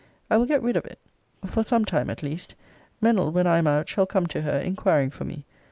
I will get rid of it; for some time at least. Mennell, when I am out, shall come to her, inquiring for me.